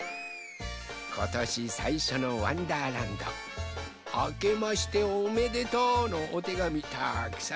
ことしさいしょの「わんだーらんど」あけましておめでとうのおてがみたくさんとどいたぞい。